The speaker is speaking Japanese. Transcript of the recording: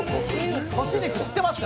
干し肉知ってますか？